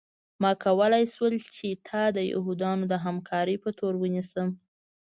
ما کولی شول چې تا د یهودانو د همکارۍ په تور ونیسم